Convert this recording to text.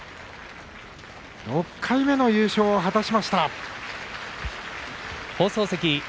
６回目の優勝を果たしました。